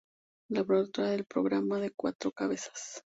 La productora del programa fue Cuatro Cabezas.